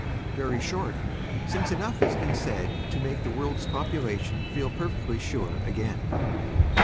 VERY SHORT, SINCE ENOUGH HAS BEEN SAID TO MAKE THE WORLD'S POPULATION FEEL PERFECTLY SURE AGAIN.